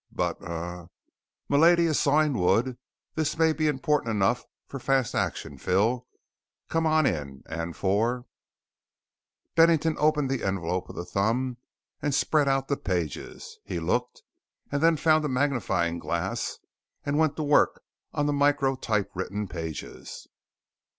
"But er " "M'Lady is sawing wood. This may be important enough for fast action, Phil. Come on in and for " Bennington opened the envelope with a thumb and spread out the pages. He looked and then found a magnifying glass and went to work on the micro typewritten pages.